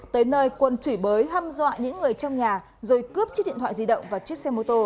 tới nơi quân chỉ bới hâm dọa những người trong nhà rồi cướp chiếc điện thoại di động và chiếc xe mô tô